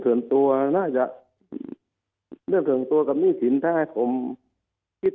ส่วนตัวน่าจะเรื่องส่วนตัวกับหนี้สินถ้าให้ผมคิด